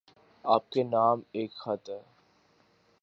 آپ کے نام ایک خط ہے